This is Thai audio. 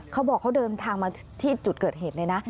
เขาบอกเขาเดินทางมาที่จุดเกิดเหตุเลยนะ